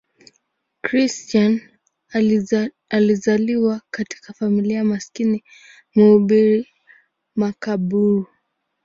Christian alizaliwa katika familia maskini ya mhubiri makaburu.